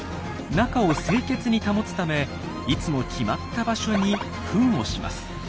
中を清潔に保つためいつも決まった場所にフンをします。